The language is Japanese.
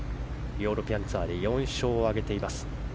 ヨーロピアンツアーで４勝を挙げています。